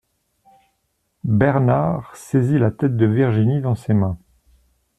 Bernard saisit la tête de Virginie dans ses mains.